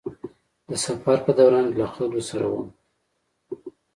د سفر په دوران کې له خلکو سره وم.